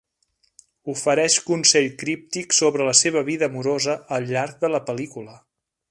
Ofereix consell críptic sobre la seva vida amorosa al llarg de la pel·lícula.